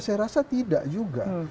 saya rasa tidak juga